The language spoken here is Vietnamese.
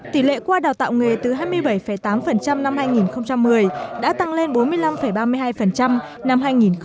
tỷ lệ qua đào tạo nghề từ hai mươi bảy tám năm hai nghìn một mươi đã tăng lên bốn mươi năm ba mươi hai năm hai nghìn một mươi